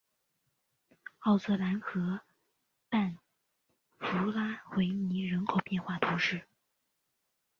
奥泽兰河畔弗拉维尼人口变化图示